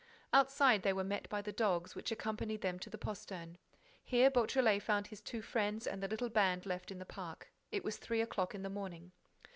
Outside, they were met by the dogs, which accompanied them to the postern. Here, Beautrelet found his two friends and the little band left the park. It was three o'clock in the morning.